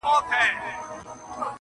o یو که بل وي نو څلور یې پښتانه وي.